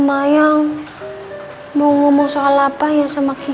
saya boleh masuk untuk menjemuk